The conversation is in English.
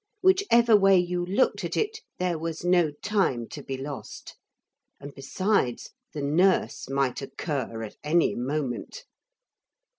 Whichever way you looked at it there was no time to be lost. And besides the nurse might occur at any moment.